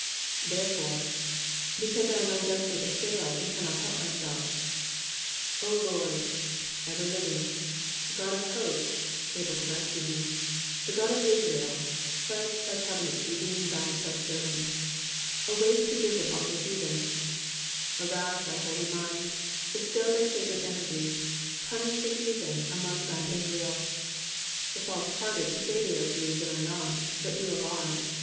''^Therefore^^^ because I am unjustly ussailed, and cannot help myself. 0 Lord.^"* everliving, ^^Ood of HostSy^' able to rescue me ; ''"the Ood of Ittraely^^ pledged by covenant to redeem thine oppressed servant ;awake to tmt all the heathenj^^ arouse thy holy mind, bestow thy sacred energies, punish the heathen among thine Israel, the falsehearted who say they are Jews and are not, but do lie.